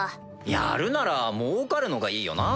やるならもうかるのがいいよな。